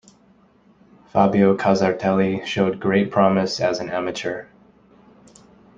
Fabio Casartelli showed great promise as an amateur.